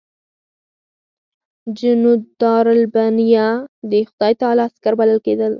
جنودالربانیه د خدای تعالی عسکر بلل کېدل.